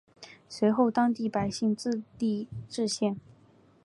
随后当地百姓自立冶县。